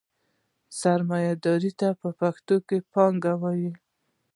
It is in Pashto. سرمایدار ته پښتو کې پانګوال وايي.